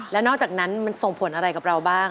แล้วนอกจากนั้นมันส่งผลอะไรกับเราบ้าง